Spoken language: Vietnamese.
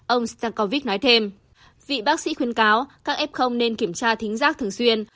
ông stekovic nói thêm vị bác sĩ khuyên cáo các ép không nên kiểm tra thính giác thường xuyên